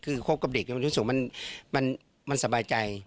คือคบกับเด็กมันรู้สึกว่ามันสบายใจ